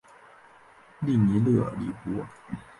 利尼勒里博。